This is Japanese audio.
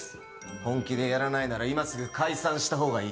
本気でやらないなら今すぐ解散したほうがいい。